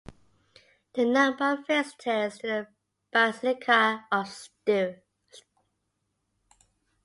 The number of visitors to the Basilica of Ste.